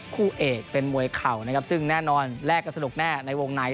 คู่เอกเป็นมวยเข่านะครับซึ่งแน่นอนแลกกันสนุกแน่ในวงใน